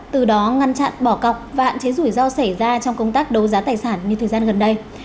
từ đó ngăn chặn bỏ cọc và hạn chế rủi ro xảy ra trong công tác đấu giá tài sản như thời gian gần đây